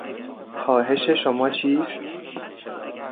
خواهش شما چیست؟